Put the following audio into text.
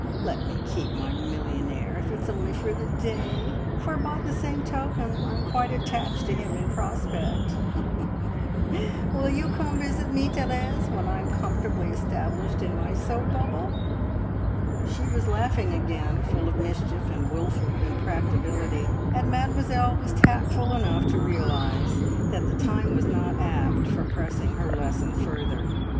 Let me keep my millionaire, if it's only for the day, for by the same token I'm quite attached to him in prospect! Will you come and visit me, Therese, when I'm comfortably established in my soap bubble?" She was laughing again, full of mischief and wilful impracticability, and Mademoiselle was tactful enough to realise that the time was not apt for pressing her lesson further.